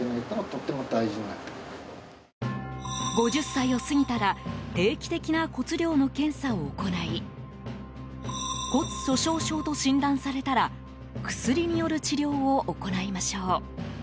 ５０歳を過ぎたら定期的な骨量の検査を行い骨粗しょう症と診断されたら薬による治療を行いましょう。